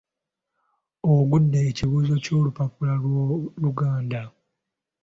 Ogudde ekibuuzo ky’olupapula lw’Oluganda